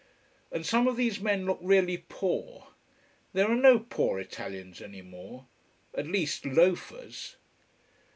And some of these men look really poor. There are no poor Italians any more: at least, loafers.